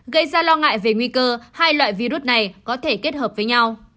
gây ra lo ngại về nguy cơ hai loại virus này có thể kết hợp với nhau